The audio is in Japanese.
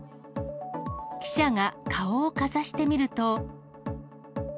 記者が顔をかざしてみると。